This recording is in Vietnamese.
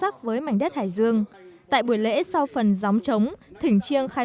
tôi thấy hài lòng khi đến đây